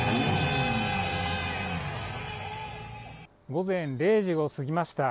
午前０時を過ぎました。